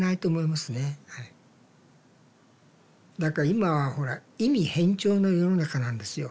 今はほら意味偏重の世の中なんですよ。